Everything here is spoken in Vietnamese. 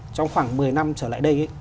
trong khoảng một mươi năm trở lại đây ấy